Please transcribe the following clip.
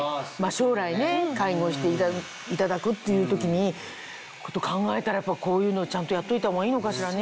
将来ね介護していただくっていうことを考えたらこういうのをちゃんとやっといた方がいいのかしらね？